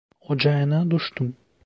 Ocağına düştüm!